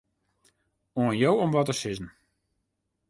Oan jo om wat te sizzen.